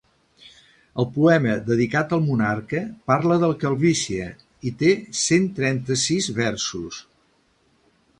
El poema dedicat al monarca parla de la calvície i té cent trenta-sis versos.